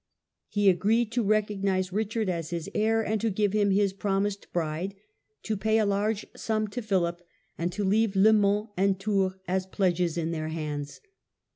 He agreed to recognize Richard as his heir and to give him his pro mised bride, to pay a large sum to Philip, and to leave Le Mans and Tours as pledges in their hands.